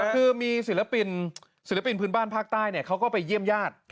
คือมีศิลปินพื้นบ้านภาคไต้เนี่ยเค้าก็ไปเยี่ยมญาติ